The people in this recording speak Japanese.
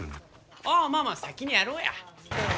ああまあまあ先にやろうや。